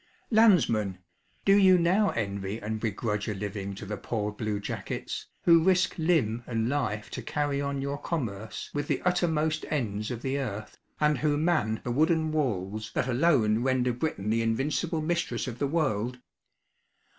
Landsmen! do you now envy and begrudge a living to the poor blue jackets, who risk limb and life to carry on your commerce with the uttermost ends of the earth, and who man the wooden walls that alone render Britain the invincible mistress of the world?